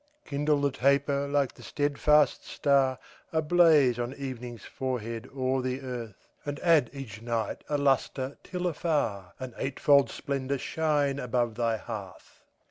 Kindle the taper like the steadfast star Ablaze on evening's forehead o'er the earth, And add each night a lustre till afar An eightfold splendor shine above thy hearth.